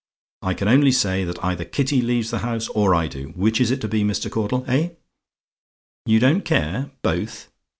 "I can only say, that either Kitty leaves the house, or I do. Which is it to be, Mr. Caudle? Eh? "YOU DON'T CARE? BOTH?